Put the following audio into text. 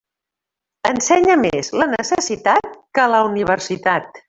Ensenya més la necessitat que la universitat.